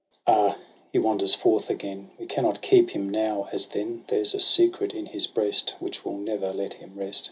....* Ah ! he wanders forth again ; We cannot keep him; now, as then. There's a secret in his breast Which will never let him rest.